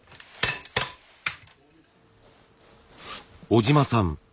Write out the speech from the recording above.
小島さん